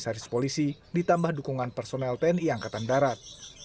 selain komisaris polisi ditambah dukungan personel tni angkatan darat